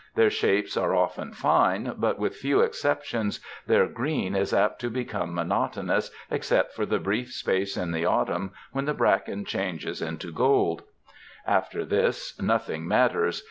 Their shapes are often fine, but, with few exceptions, their green is apt to become mono tonous except for the brief space in the autumn when the bracken changes into gML After this nothing matters.